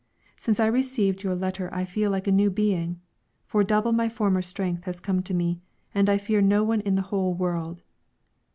Since I received your letter I feel like a new being, for double my former strength has come to me, and I fear no one in the whole world.